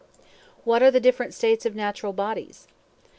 What are the different states of natural bodies?